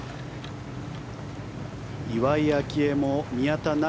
岩井明愛も宮田成